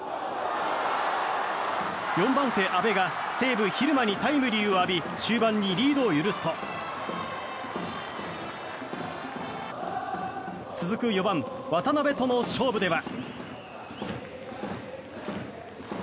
４番手、阿部が西武、蛭間にタイムリーを浴び終盤にリードを許すと続く４番、渡部との勝負では。